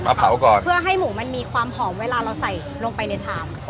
เผาก่อนเพื่อให้หมูมันมีความหอมเวลาเราใส่ลงไปในชาม